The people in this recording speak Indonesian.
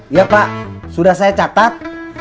iya pak sudah saya catat